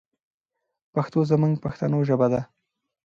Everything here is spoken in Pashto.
پښتو زموږ پښتنو ژبه ده.